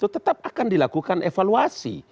tetap akan dilakukan evaluasi